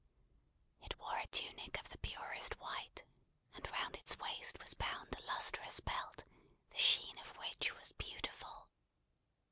It wore a tunic of the purest white; and round its waist was bound a lustrous belt, the sheen of which was beautiful.